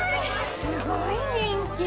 すごい人気。